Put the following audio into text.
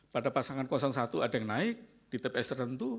pada pasangan satu ada yang naik di tps tertentu